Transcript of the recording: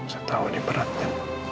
saya tahu ini beratnya